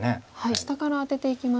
下からアテていきましたね。